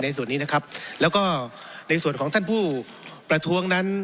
ส่วนนี้นะครับแล้วก็ในส่วนของท่านผู้ประท้วงนั้น